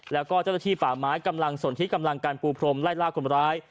แล้วก็เจ้าหน้าที่ป่าไม้กำลังสนที่กำลังการปูพรมไล่ล่าคนร้าย